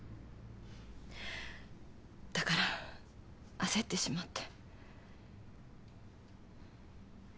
だから焦ってしまって。